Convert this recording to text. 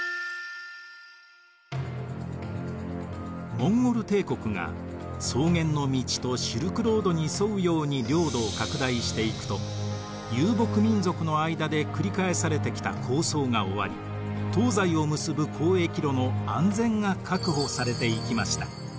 モンゴル帝国が草原の道とシルクロードに沿うように領土を拡大していくと遊牧民族の間で繰り返されてきた抗争が終わり東西を結ぶ交易路の安全が確保されていきました。